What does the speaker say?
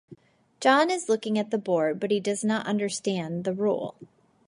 John is looking at the board but he does not understand the rule.